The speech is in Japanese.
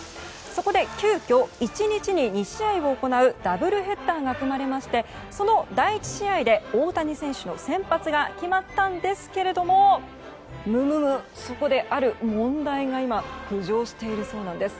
そこで急きょ１日に２試合を行うダブルヘッダーが組まれましてその第１試合で大谷選手の先発が決まったんですけれどもむむむそこである問題が今、浮上しているそうなんです。